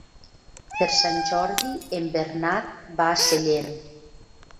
Per Sant Jordi en Bernat va a Sellent.